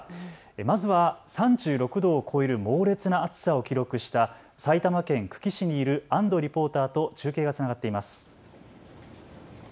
まずは３６度を超える猛烈な暑さを記録した埼玉県久喜市にいる安藤リポーターと中継がつながっています。